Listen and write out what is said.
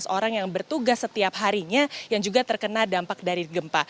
lima belas orang yang bertugas setiap harinya yang juga terkena dampak dari gempa